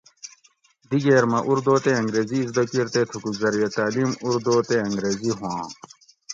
دِگیر آمہ اردو تے انگریزی ازدہ کِیر تے تُھکو زریعہ تعلیم اردو تے انگریزی ہُواۤں